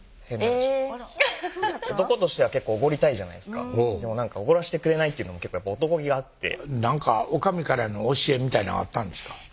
変な話男としては結構おごりたいじゃないですかでもおごらしてくれないっていうのも男気があってなんか女将からの教えみたいなんあったんですか？